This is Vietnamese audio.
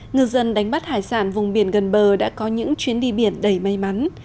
ngư dân đánh bắt hải sản vùng biển gần bờ đã có những chuyến đi biển đầy may mắn